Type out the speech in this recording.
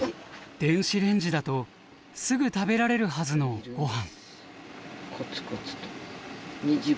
電子レンジだとすぐ食べられるはずのご飯。